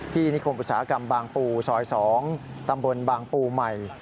นิคมอุตสาหกรรมบางปูซอย๒ตำบลบางปูใหม่